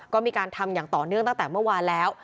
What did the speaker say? ก็มีการทำอย่างต่อเนื่องตั้งแต่เมื่อวานแล้ว